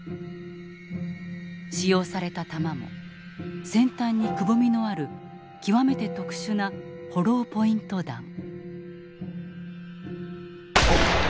使用された弾も先端にくぼみのある極めて特殊なホローポイント弾。